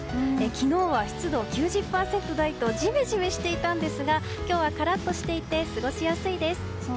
昨日は湿度９０％台とジメジメしていたんですが今日はカラッとしていて過ごしやすいです。